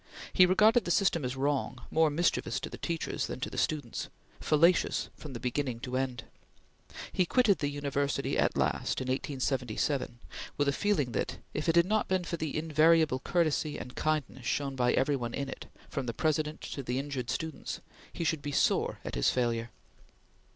He regarded the system as wrong; more mischievous to the teachers than to the students; fallacious from the beginning to end. He quitted the university at last, in 1877, with a feeling, that, if it had not been for the invariable courtesy and kindness shown by every one in it, from the President to the injured students, he should be sore at his failure.